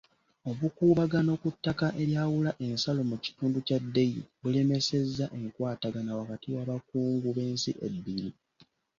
Obukuubagano ku ttaka eryawula ensalo mu kitundu kya Dei bulemesezza enkwatagana wakati w'abakungu b'ensi ebbiri.